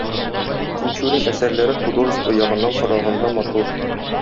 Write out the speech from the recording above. Тинчурин әсәрләре художество ягыннан караганда матур.